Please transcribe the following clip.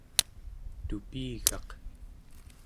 tupigaq